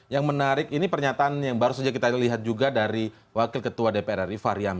yang menarik ini pernyataan yang baru saja kita lihat juga dari wakil ketua dpr ri fahri hamza